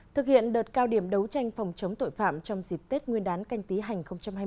thực hiện đợt cao điểm đấu tranh phòng chống tội phạm trong dịp tết nguyên đán canh tí hành hai mươi